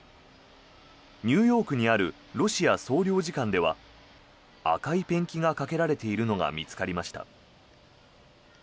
ニューヨークにあるロシア総領事館では赤いペンキがかけられているのが見つかりました。